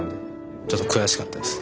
ちょっと悔しかったです。